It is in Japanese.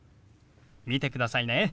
見てくださいね。